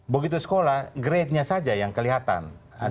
begitu sekolah gradenya saja yang kelihatan